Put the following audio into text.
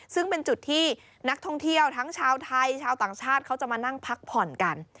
ซึ่งเป็นจุดที่นักท่องเที่ยวทั้งชาวไทยชาวต่างชาติเขาจะมานั่งพักผ่อนกัน